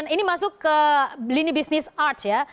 ini masuk ke lini bisnis arts ya